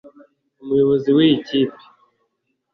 umuyobozi w’iyi kipe